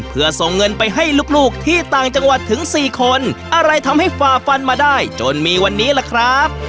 เพื่อส่งเงินไปให้ลูกที่ต่างจังหวัดถึงสี่คนอะไรทำให้ฝ่าฟันมาได้จนมีวันนี้ล่ะครับ